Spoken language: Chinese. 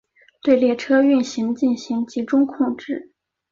对列车运行进行集中控制。